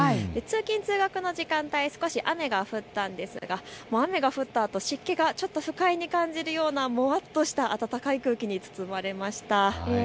通勤通学の時間帯、少し雨が降ったんですがもう雨が降ったあと湿気が不快に感じるようなは、もわっとした暖かい空気に包まれました。